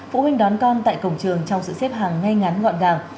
phụ huynh đón con tại cổng trường trong sự xếp hàng ngay ngắn gọn gàng